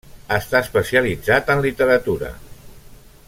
Està especialitzat en literatura.